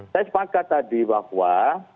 saya sepakat tadi bahwa